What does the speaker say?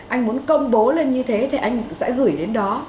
anh muốn công bố lên như thế thì anh sẽ gửi đến đó